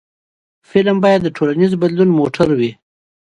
فلم باید د ټولنیز بدلون موټر وي